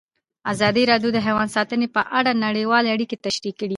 ازادي راډیو د حیوان ساتنه په اړه نړیوالې اړیکې تشریح کړي.